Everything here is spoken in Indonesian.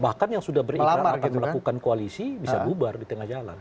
bahkan yang sudah beriklan akan melakukan koalisi bisa bubar di tengah jalan